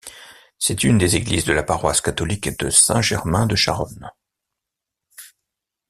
C'est une des églises de la paroisse catholique de Saint-Germain de Charonne.